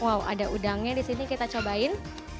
wow ada udangnya di sini kita cobain